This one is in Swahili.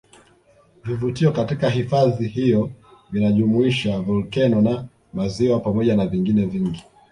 Vivutio katika hifadhi hiyo vinajumuisha volkeno na maziwa pamoja na vingine vingi